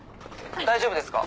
大丈夫ですか？